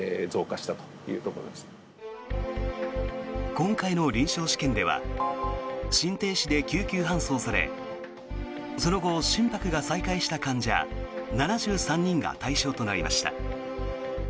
今回の臨床試験では心停止で救急搬送されその後、心拍が再開した患者７３人が対象となりました。